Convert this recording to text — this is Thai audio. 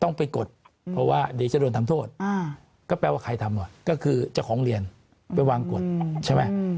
ต้องไปกดเพราะว่าเดี๋ยวจะโดนทำโทษก็แปลว่าใครทำก่อนก็คือเจ้าของเรียนไปวางกฎใช่ไหม